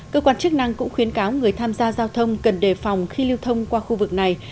cơ quan chức năng cũng khuyến cáo người tham gia giao thông cần đề phòng khi lưu thông qua khu vực này